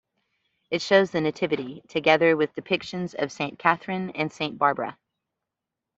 It shows the Nativity, together with depictions of Saint Catherine and Saint Barbara.